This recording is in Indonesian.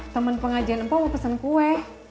temen pengajian mbak mau pesen kue